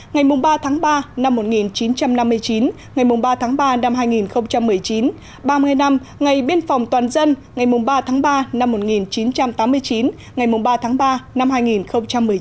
ngày ba tháng ba năm một nghìn chín trăm năm mươi chín ngày ba tháng ba năm hai nghìn một mươi chín ba mươi năm ngày biên phòng toàn dân ngày ba tháng ba năm một nghìn chín trăm tám mươi chín ngày ba tháng ba năm hai nghìn một mươi chín